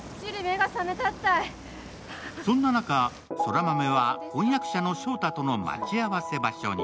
そんな中、空豆は婚約者の翔太との待ち合わせ場所に。